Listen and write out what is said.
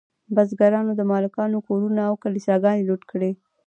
بزګرانو د مالکانو کورونه او کلیساګانې لوټ کړې.